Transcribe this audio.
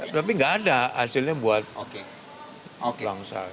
tapi nggak ada hasilnya buat bangsa